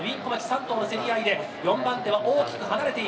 ３頭の競り合いで４番手は大きく離れています。